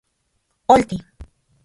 Olti.